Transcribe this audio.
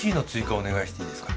お願いしていいですか？